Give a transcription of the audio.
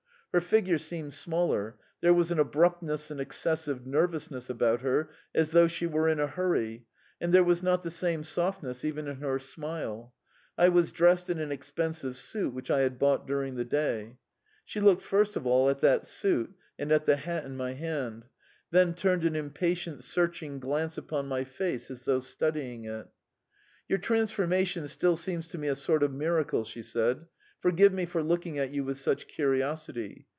Her figure seemed smaller; there was an abruptness and excessive nervousness about her as though she were in a hurry, and there was not the same softness even in her smile. I was dressed in an expensive suit which I had bought during the day. She looked first of all at that suit and at the hat in my hand, then turned an impatient, searching glance upon my face as though studying it. "Your transformation still seems to me a sort of miracle," she said. "Forgive me for looking at you with such curiosity.